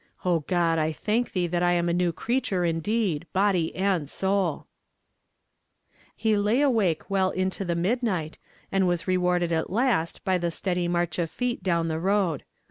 O (iod, I thank thee that I am a new creature indeed, luxly and soul !" IIo lay awake well into the midnight, and was rewarded at last by the steady march of feet down the road.